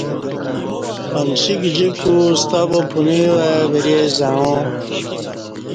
منچی گجیکو ستہ با پنوی وای ورے زعاں